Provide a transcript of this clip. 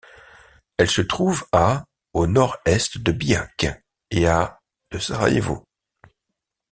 Elle se trouve à au nord-est de Bihać et à de Sarajevo.